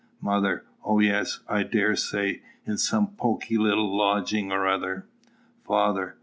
Mother. Oh, yes! I dare say: in some poky little lodging or other! _Father.